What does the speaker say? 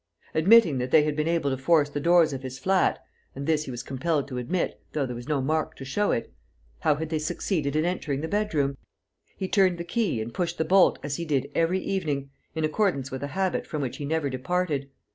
Admitting that they had been able to force the doors of his flat and this he was compelled to admit, though there was no mark to show it how had they succeeded in entering the bedroom? He turned the key and pushed the bolt as he did every evening, in accordance with a habit from which he never departed.